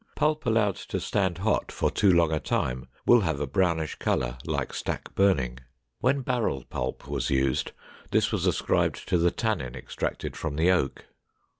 Pulp allowed to stand hot for too long a time will have a brownish color like stack burning. When barrel pulp was used, this was ascribed to the tannin extracted from the oak.